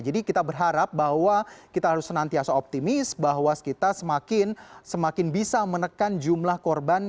jadi kita berharap bahwa kita harus senantiasa optimis bahwa kita semakin bisa menekan jumlah korban